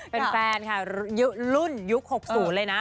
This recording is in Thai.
เป็นแฟนค่ะรุ่นยุค๖๐เลยนะ